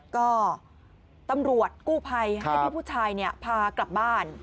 ก็ตำรวจกู้ภัยให้พี่ผู้ชายพากลับบ้าน